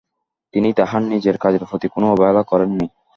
তিনি তাহার নিজের কাজের প্রতি কোন অবহেলা করেন নি।